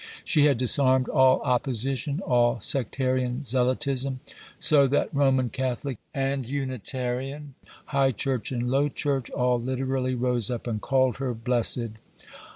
She had disarmed all opposition, all sectarian zealotism; so that Roman Catholic and Unitarian, High Church and Low Church, all literally rose up and called her "blessed."